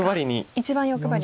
一番欲張りに。